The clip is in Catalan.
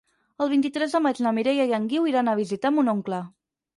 El vint-i-tres de maig na Mireia i en Guiu iran a visitar mon oncle.